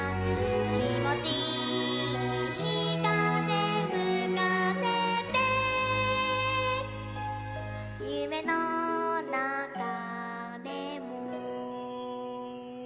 「きもちいいかぜふかせてゆめのなかでも」